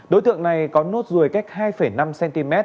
đối tượng này có nốt ruồi cách hai năm cm